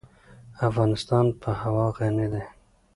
افغانستان په هوا غني دی.